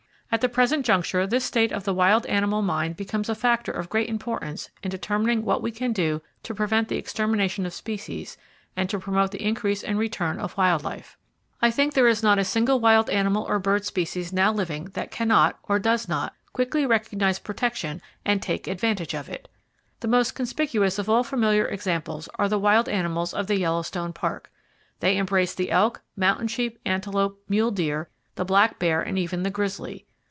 At the present juncture, this state of the wild animal mind becomes a factor of great importance in determining what we can do to prevent the extermination of species, and to promote the increase and return of wild life. I think that there is not a single wild mammal or bird species now living that can not, or does not, quickly recognize protection, and take advantage of it. The most conspicuous of all familiar examples are the wild animals of the Yellowstone Park. They embrace the elk, mountain sheep, antelope, mule deer, the black bear and even the grizzly.